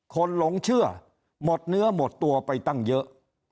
หลงเชื่อหมดเนื้อหมดตัวไปตั้งเยอะ